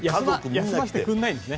休ませてくれないんですね。